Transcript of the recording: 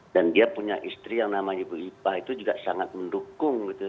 dan dia punya istri yang namanya ibu ipah itu juga sangat mendukung gitu